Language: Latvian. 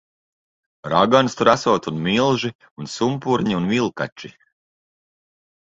Raganas tur esot un milži. Un sumpurņi un vilkači.